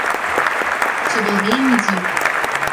Усё было вельмі дзіўна.